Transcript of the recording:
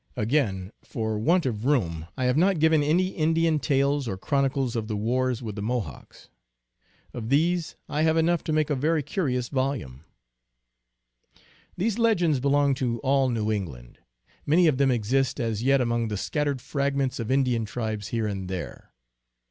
Again, for want of room I have not given any Indian tales or chronicles of the wars with the Mo hawks. Of these I have enough to make a very curi ous volume. These legends belong to all New England. Many of them exist as yet among the scattered fragments of Indian tribes here and there.